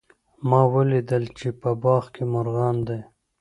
ما ولیدل چې په باغ کې مرغان دي